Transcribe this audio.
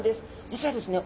実はですね